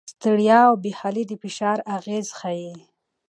ستړیا او بې حالي د فشار اغېز ښيي.